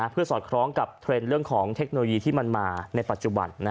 เพื่อสอดคล้องกับเทคโนโลยีที่มันมาในปัจจุบัน